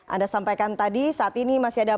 anda sampaikan tadi saat ini masih ada